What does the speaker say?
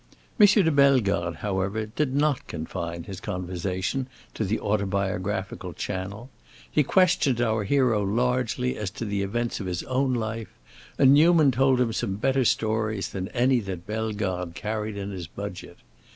M. de Bellegarde, however, did not confine his conversation to the autobiographical channel; he questioned our hero largely as to the events of his own life, and Newman told him some better stories than any that Bellegarde carried in his budget.